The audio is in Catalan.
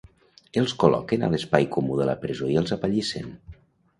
Els col·loquen a l’espai comú de la presó i els apallissen.